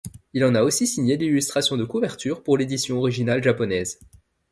Il en a aussi signé l'illustration de couverture pour l'édition originale japonaise.